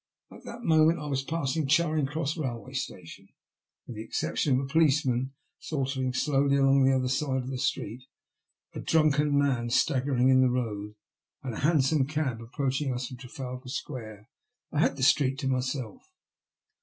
At that moment I was passing Charing Cross Bailway Station. With the exception of a police man sauntering slowly along on the other side of the street, a drunken man staggering in the road, and a hansom cab approaching us from Trafalgar Square, I had the street to myself.